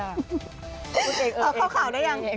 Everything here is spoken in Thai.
เข้าข่าวได้ยัง